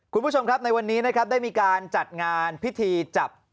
คุณผู้ชมครับในวันนี้นะครับได้มีการจัดงานพิธีจับ